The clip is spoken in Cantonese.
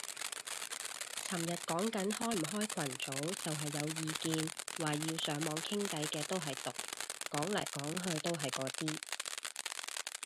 尋日講緊開唔開群組，就係有意見話要上網傾偈嘅都係毒，講嚟講去都係嗰啲